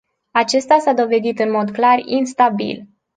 Acesta s-a dovedit în mod clar instabil.